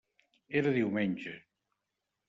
Era diumenge.